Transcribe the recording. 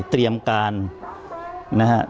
เตรียมการนะฮะ